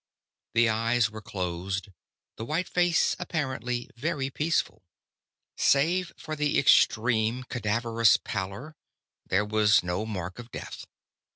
The eyes were closed; the white face appeared very peaceful. Save for the extreme, cadaverous pallor, there was no mark of death.